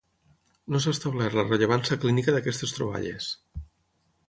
No s'ha establert la rellevància clínica d'aquestes troballes.